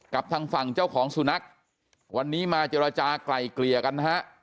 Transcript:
กับทางฝั่งเจ้าของสุนัขวันนี้มาเจรจากลายเกลี่ยกันนะฮะ